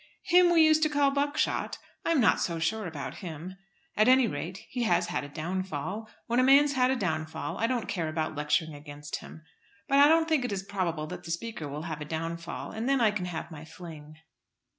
"Him we used to call Buckshot? I'm not so sure about him. At any rate he has had a downfall. When a man's had a downfall I don't care about lecturing against him. But I don't think it probable that the Speaker will have a downfall, and then I can have my fling."